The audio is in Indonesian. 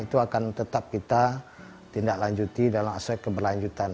itu akan tetap kita tindak lanjuti dalam aspek keberlanjutan